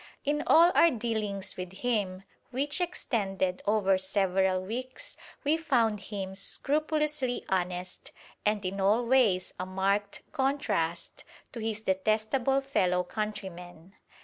In all our dealings with him, which extended over several weeks, we found him scrupulously honest, and in all ways a marked contrast to his detestable fellow countrymen.